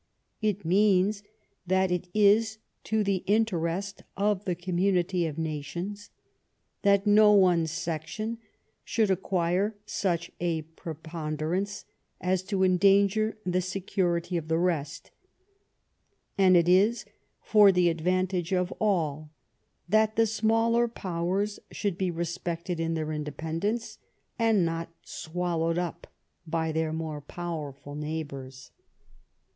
It means that it is to the interest of the commnnity of nations that no one section shonld acquire such a preponderance as to endanger the security of the rest ; and it is for the advantage of all that the smaller Powers should be respected in their independence, and not swallowed up by their more powerful neighbours.